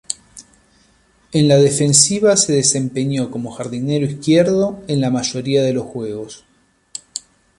En la defensiva se desempeñó como jardinero izquierdo en la mayoría de juegos.